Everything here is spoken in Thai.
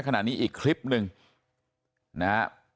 ขณะนี้อีกคลิปนึงนะครับ